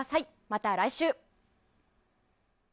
また来週。